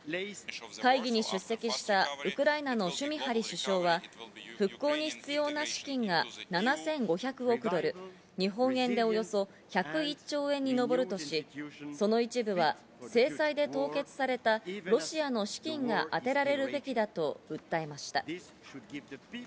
会議に出席したウクライナのシュミハリ首相は復興に必要な資金が７５００億ドル、日本円でおよそ１０１兆円に上るとし、その一部は制裁で凍結されたロシアの資金があてられるべきだと訴えました。